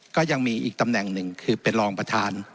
ก็ยังมีอีกตำแหน่งหนึ่งคือเป็นรองประธาน